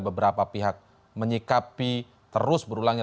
beberapa pihak menyikapi terus berulangnya